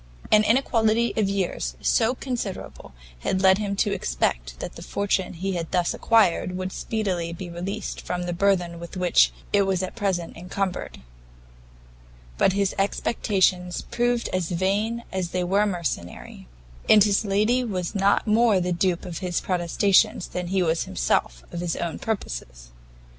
An inequality of years so considerable, had led him to expect that the fortune he had thus acquired, would speedily be released from the burthen with which it was at present incumbered; but his expectations proved as vain as they were mercenary, and his lady was not more the dupe of his protestations than he was himself of his own purposes.